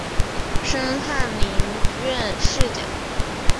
升翰林院侍讲。